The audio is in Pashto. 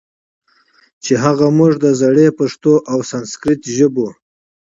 چې هغه موږ د زړې پښتو او سانسکریت ژبو